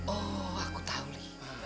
oh aku tau li